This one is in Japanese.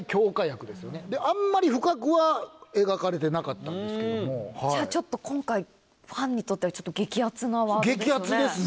あんまり深くは描かれてなかったんですけどもじゃあ今回ファンにとっては激アツなワードですよね。